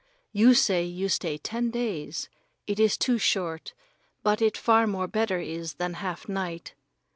You say you stay ten days. It is too short, but it far more better is than half night.